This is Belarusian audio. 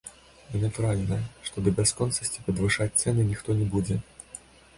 І натуральна, што да бясконцасці падвышаць цэны ніхто не будзе.